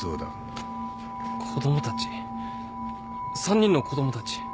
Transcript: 子供たち３人の子供たち。